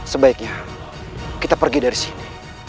sebaiknya kita pergi dari sini